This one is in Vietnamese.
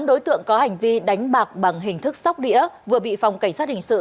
bốn đối tượng có hành vi đánh bạc bằng hình thức sóc đĩa vừa bị phòng cảnh sát hình sự